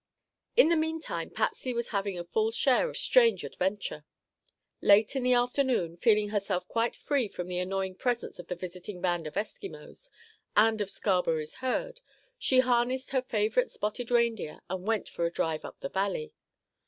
In the meantime Patsy was having a full share of strange adventure. Late in the afternoon, feeling herself quite free from the annoying presence of the visiting band of Eskimos and of Scarberry's herd, she harnessed her favorite spotted reindeer and went for a drive up the valley.